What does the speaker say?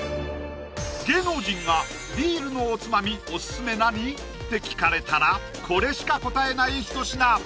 芸能人がビールのおつまみオススメ何？って聞かれたらコレしか答えないひと品！